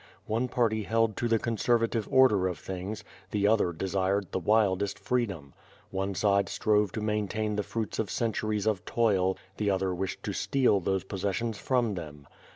One party held to the conservative order of things, the other desired the wildest freedom; one side strove to maintain the fruits of centuries of toil, the other wished to steal these possessions from them.